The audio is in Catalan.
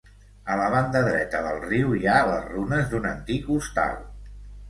A la banda dreta del riu hi ha les runes d'un antic hostal.